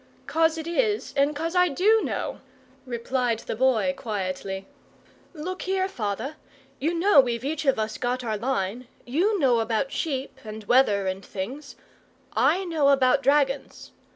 "'Cos it IS, and 'cos I DO know," replied the Boy, quietly. "Look here, father, you know we've each of us got our line. YOU know about sheep, and weather, and things; I know about dragons.